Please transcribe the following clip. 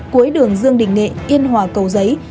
cuối đường dương đình nghệ yên hòa cầu giấy